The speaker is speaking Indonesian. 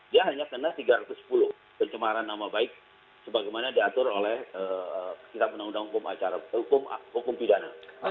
dia hanya kena tiga ratus sepuluh pencemaran nama baik sebagaimana diatur oleh kitab undang undang hukum pidana